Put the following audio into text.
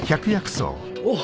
おっ。